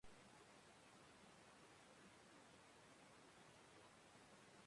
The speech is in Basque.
Garaipena hiru txirrindulari horien artean izan da.